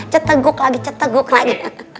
ceteguk lagi ceteguk lagi